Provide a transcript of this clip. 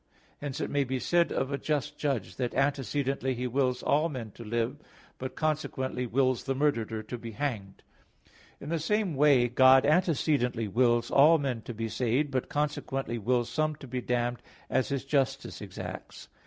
Hence it may be said of a just judge, that antecedently he wills all men to live; but consequently wills the murderer to be hanged. In the same way God antecedently wills all men to be saved, but consequently wills some to be damned, as His justice exacts.